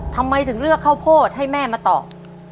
ทำไมถึงเลือกข้าวโพดให้แม่มาตอบ